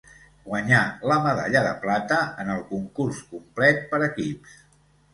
Guanyà la medalla de plata en el concurs complet per equips.